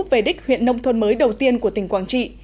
về đích huyện nông thôn mới đầu tiên của tỉnh quảng trị